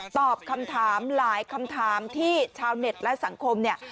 ตอบคำถามหลายคำถามที่ชาวเน็ตและสังคมเนี่ย